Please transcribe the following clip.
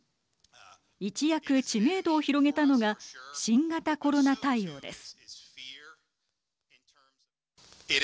いちやく知名度を広げたのが新型コロナ対応です。